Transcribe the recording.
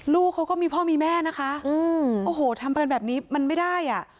ลูกเขาก็มีพ่อมีแม่นะคะทำแบบนี้มันไม่ได้